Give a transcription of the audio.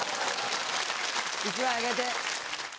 １枚あげて。